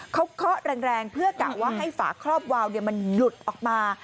เขาเคาะแรงเพื่อกะว่าให้ฝาครอบวาวมันหลุดออกมา